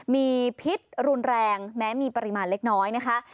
มีพิษรุนแรงแม้มีปริมาณเล็กน้อยนะคะ